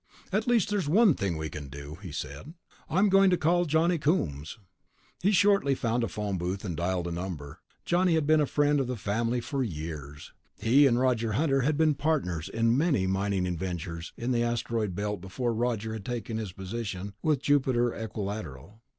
"At least there's one thing we can do," he said. "I'm going to call Johnny Coombs." He shortly found a phone booth and dialed a number. Johnny had been a friend of the family for years; he and Roger Hunter had been partners in many mining ventures in the Asteroid Belt before Roger had taken his position with Jupiter Equilateral.